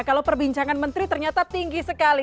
kalau perbincangan menteri ternyata tinggi sekali